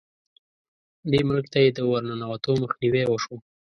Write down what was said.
دې ملک ته یې د ورننوتو مخنیوی وشو.